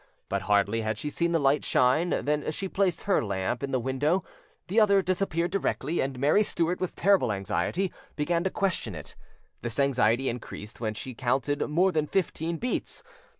But hardly had she seen the light shine than she placed her lamp in the window; the other disappeared directly, and Mary Stuart, with terrible anxiety, began to question it. This anxiety increased when she had counted more than fifteen beats.